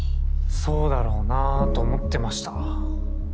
そうだろうなと思ってました。